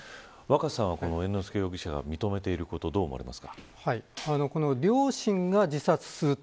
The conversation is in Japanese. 若狭さんは猿之助容疑者が認めてること両親が自殺する。